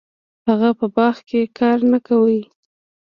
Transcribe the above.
هغه په باغ کې کار نه کاوه.